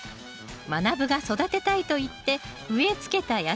まなぶが育てたいと言って植えつけた野菜とは？